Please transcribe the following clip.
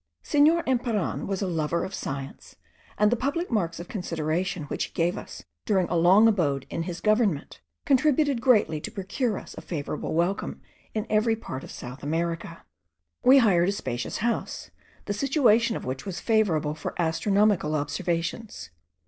Senor Emparan was a lover of science, and the public marks of consideration which he gave us during a long abode in his government, contributed greatly to procure us a favourable welcome in every part of South America. We hired a spacious house, the situation of which was favourable for astronomical observations.